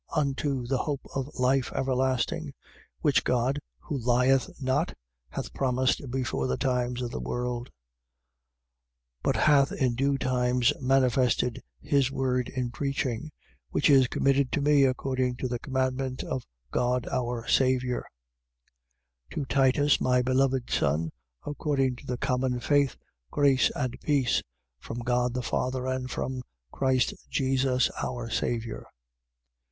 Unto the hope of life everlasting, which God, who lieth not, hath promised before the times of the world: 1:3. But hath in due times manifested his word in preaching, which is committed to me according to the commandment of God our Saviour: 1:4. To Titus, my beloved son according to the common faith, grace and peace, from God the Father and from Christ Jesus our Saviour.